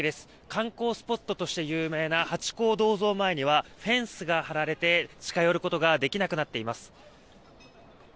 観光スポットとして有名なハチ公銅像前にはフェンスが張られて近寄ることができなくなっています。